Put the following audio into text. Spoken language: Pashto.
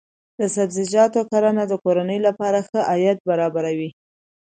د سبزیجاتو کرنه د کورنۍ لپاره ښه عاید برابروي.